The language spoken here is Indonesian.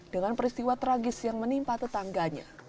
dengan peristiwa tragis yang menimpa tetangganya